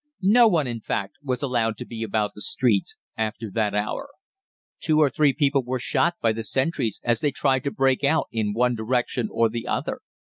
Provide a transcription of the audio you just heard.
No one, in fact, was allowed to be about the streets after that hour. Two or three people were shot by the sentries as they tried to break out in one direction or the other.